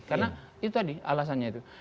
karena itu tadi alasannya itu